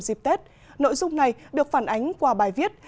dịp tết nội dung này được phản ánh qua bài viết